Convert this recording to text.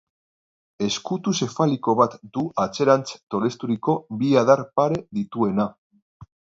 Ezkutu zefaliko bat du atzerantz tolesturiko bi adar pare dituena.